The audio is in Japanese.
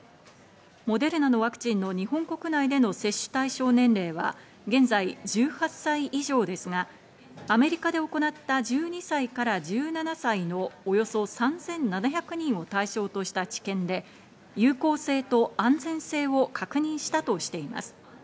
モデルナのワクチンの日本国内での接種対象年齢は現在１８歳以上ですが、アメリカで行った１２歳から１７歳のおよそ３７００人を対象とした治験で、有効性と安全性を確認したとしています。